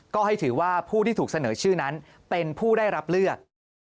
ก็ให้ถือว่าผู้ที่ถูกเสนอชื่อนั้นเป็นผู้ได้รับเลือก